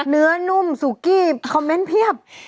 เนื้อนุ่มสุกี้คอมเม้นต์เพียบ